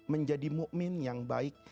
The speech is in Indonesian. menjadi mu'min yang baik